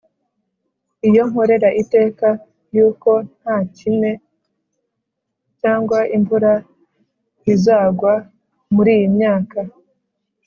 iyo nkorera iteka, yuko nta kime cyangwa imvura bizagwa muri iyi myaka